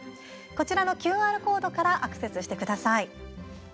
こちらのＱＲコードからアクセスしてください。